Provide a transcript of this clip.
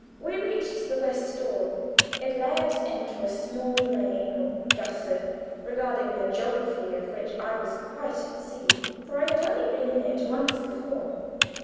We reached the west door; it led into a small lane or gasse, regarding the geography of which I was quite at sea, for I had only been in it once before.